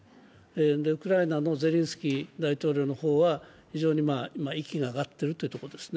ウクライナのゼレンスキー大統領の方は非常に息が上がっているというところですね。